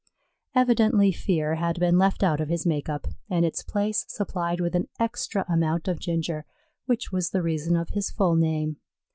Evidently fear had been left out of his make up and its place supplied with an extra amount of ginger, which was the reason of his full name.